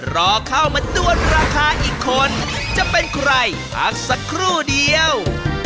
รอเข้ามาด้วนราคาอีกคนจะเป็นใครพักสักครู่เดียว